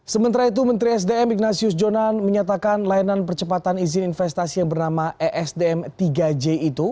sementara itu menteri sdm ignatius jonan menyatakan layanan percepatan izin investasi yang bernama esdm tiga j itu